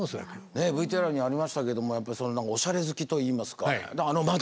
ねえＶＴＲにありましたけどもおしゃれ好きといいますかあの窓。